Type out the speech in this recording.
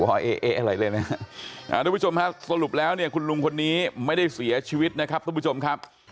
เอ๊ะอะไรเลยนะฮะทุกผู้ชมครับสรุปแล้วเนี่ยคุณลุงคนนี้ไม่ได้เสียชีวิตนะครับทุกผู้ชมครับ